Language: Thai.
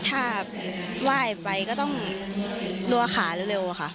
ถ้าไหว้ไปก็ต้องรัวขาเร็วค่ะ